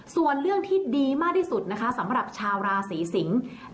ส่วนเรื่องที่ดีมากที่สุดนะคะสำหรับชาวราศีสิงศ์